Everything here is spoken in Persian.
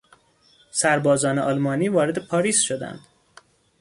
سربازان آلمانی وارد پاریس شدند.